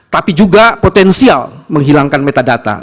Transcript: tapi juga potensial menghilangkan metadata